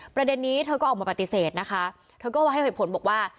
ประเด็นนี้เธอก็ออกมาปฏิเสธนะคะเธอก็ให้เหตุผลบอกว่า